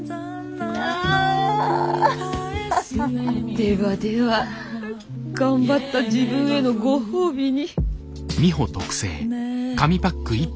ではでは頑張った自分へのご褒美に。